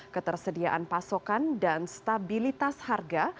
ketersediaan pasokan dan stabilitas harga